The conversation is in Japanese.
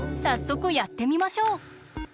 さっそくやってみましょう！